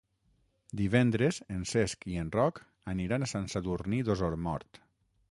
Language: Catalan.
Divendres en Cesc i en Roc aniran a Sant Sadurní d'Osormort.